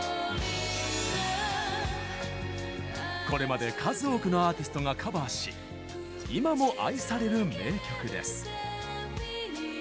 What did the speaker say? これまで数多くのアーティストがカバーし今も愛される名曲です。